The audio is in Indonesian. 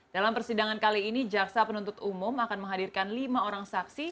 dalam persidangan kali ini jaksa penuntut umum akan menghadirkan lima orang saksi